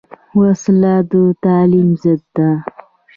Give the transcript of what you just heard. وسله د تعلیم ضد ده